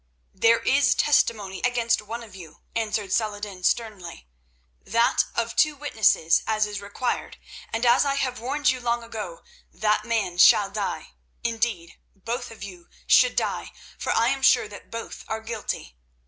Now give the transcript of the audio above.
"There is testimony against one of you," answered Saladin sternly, "that of two witnesses, as is required, and, as I have warned you long ago, that man shall die. Indeed, both of you should die, for I am sure that both are guilty.